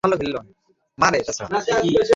ইউহাওয়া প্রেমের টানে তাকে সাথে নিয়ে চলে।